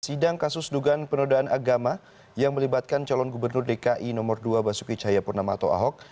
sidang kasus dugaan penodaan agama yang melibatkan calon gubernur dki nomor dua basuki cahayapurnama atau ahok